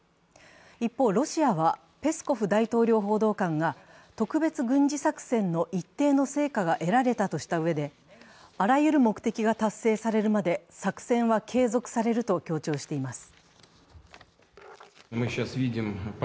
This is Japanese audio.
一方、ロシアはペスコフ大統領報道官が特別軍事作戦の一定の成果が得られたとしたうえで、あらゆる目的が達成されるまで作戦は継続されると強調しています。